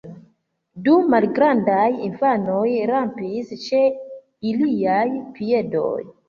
Du malgrandaj infanoj rampis ĉe iliaj piedoj.